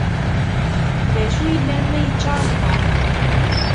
D acu yellan ma yečča remṭan!